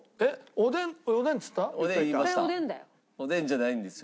おでんじゃないんですよ。